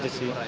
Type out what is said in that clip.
itu aja sih